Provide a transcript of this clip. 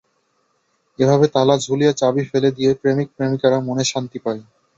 এভাবে তালা ঝুলিয়ে চাবি ফেলে দিয়ে প্রেমিক প্রেমিকারা মনে শান্তি পায়।